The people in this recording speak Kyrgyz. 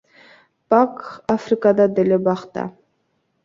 Бак Африкада деле бак да.